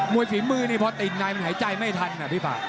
ฝีมือนี่พอติดในมันหายใจไม่ทันนะพี่ปาก